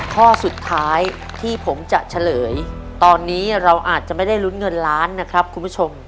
ข้อสุดท้ายที่ผมจะเฉลยตอนนี้เราอาจจะไม่ได้ลุ้นเงินล้านนะครับคุณผู้ชม